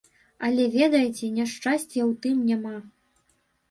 Але, ведаеце, няшчасця ў тым няма.